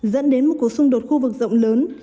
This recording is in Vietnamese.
dẫn đến một cuộc xung đột khu vực rộng lớn